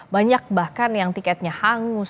banyak bahkan yang tiketnya hangus